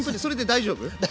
大丈夫。